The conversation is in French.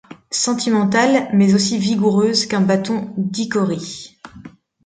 Sentimentale mais aussi vigoureuse qu'un bâton d'hickory.